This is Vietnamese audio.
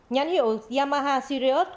nhán hiệu yamaha sirius